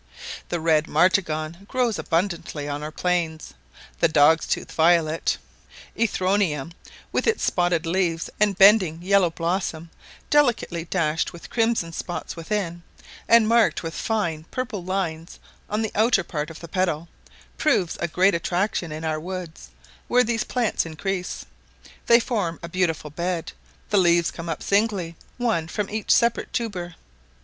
The red martagon grows abundantly on our plains; the dog's tooth violet, Erythronium, with its spotted leaves and bending yellow blossom, delicately dashed with crimson spots within, and marked with fine purple lines on the outer part of the petal, proves a great attraction in our woods, where these plants increase: they form a beautiful bed; the leaves come up singly, one from each separate tuber.